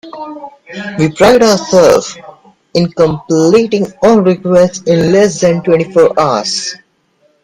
We pride ourselves in completing all requests in less than twenty four hours.